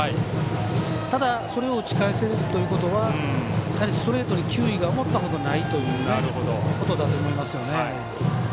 ただ、それを打ち返せるということはやはり、ストレートに思ったより球威がないということだと思いますね。